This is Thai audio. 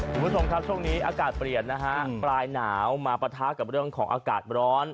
คุณผู้ชมครับช่วงนี้อากาศเปลี่ยนนะฮะปลายหนาวมาปะทะกับเรื่องของอากาศร้อน